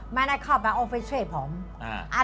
มันได้เข้าไปฝ่อยตัวฉัน